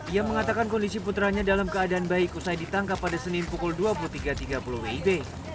ia mengatakan kondisi putranya dalam keadaan baik usai ditangkap pada senin pukul dua puluh tiga tiga puluh wib